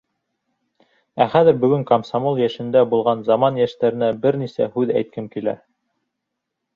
Ә хәҙер бөгөн комсомол йәшендә булған заман йәштәренә бер нисә һүҙ әйткем килә.